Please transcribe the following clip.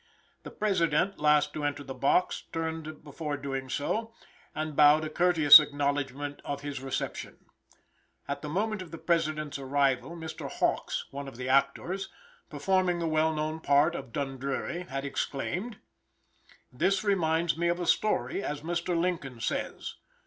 The President, last to enter the box, turned before doing so, and bowed a courteous acknowledgment of his reception At the moment of the President's arrival, Mr. Hawks, one of the actors, performing the well known part of Dundreary, had exclaimed: "This reminds me of a story, as Mr. Lincoln says."